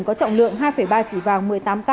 có trọng lượng hai ba chỉ vàng một mươi tám k